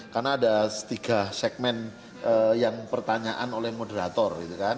karena ada tiga segmen yang pertanyaan oleh moderator